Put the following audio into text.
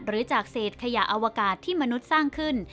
หรือจากเศษขยะอวกาศที่มนุษย์สร้างขึ้น